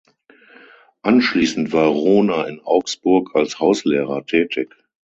Anschliessend war Rohner in Augsburg als Hauslehrer tätig.